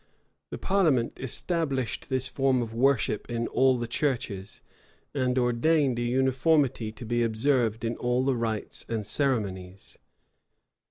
The parliament established this form of worship in all the churches, and ordained a uniformity to be observed in all the rites and ceremonies.